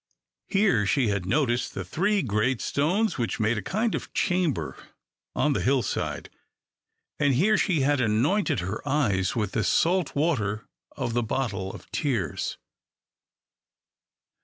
Here she had noticed the three great Stones; which made a kind of chamber on the hill side, and here she had anointed her eyes with the salt water of the bottle of tears.